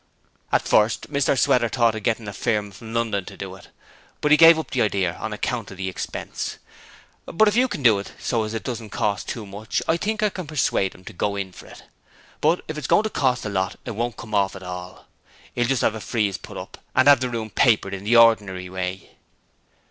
'At first Mr Sweater thought of getting a firm from London to do it, but 'e gave up the idear on account of the expense; but if you can do it so that it doesn't cost too much, I think I can persuade 'im to go in for it. But if it's goin' to cost a lot it won't come off at all. 'E'll just 'ave a frieze put up and 'ave the room papered in the ordinary way.'